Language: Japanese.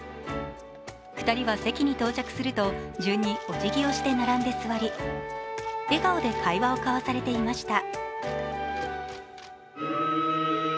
２人は席に到着すると順にお辞儀をして並んで座り、笑顔で会話を交わされていました。